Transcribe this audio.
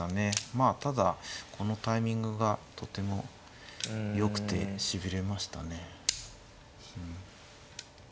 まあただこのタイミングがとてもよくてしびれましたね。